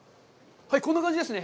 こんな感じですね。